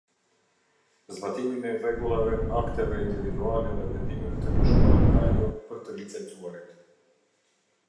Zbatimin e rregullave, akteve, individuale dhe vendimeve të lëshuara nga ajo për të licencuarit.